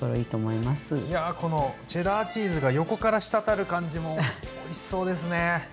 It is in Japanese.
いやこのチェダーチーズが横から滴る感じもおいしそうですね！